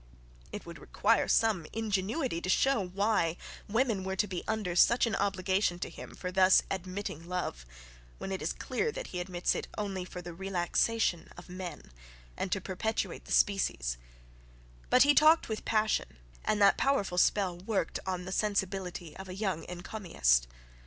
It would require some ingenuity to show why women were to be under such an obligation to him for thus admitting love; when it is clear that he admits it only for the relaxation of men, and to perpetuate the species; but he talked with passion, and that powerful spell worked on the sensibility of a young encomiast.